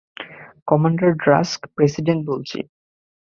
Commander Drask, president বলছি।